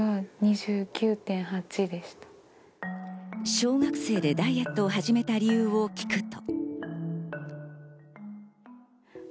小学生でダイエットを始めた理由を聞くと。